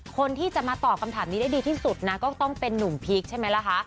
คนที่จะมาตอบคำถามนี้ได้ดีที่สุดนะก็ต้องเป็นนุ่มพีคใช่ไหมล่ะคะ